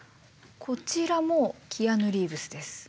こちらもキアヌ・リーブスです。